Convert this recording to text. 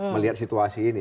melihat situasi ini